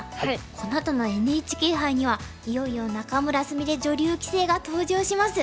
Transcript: このあとのＮＨＫ杯にはいよいよ仲邑菫女流棋聖が登場します。